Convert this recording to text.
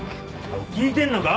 聞いてんのか？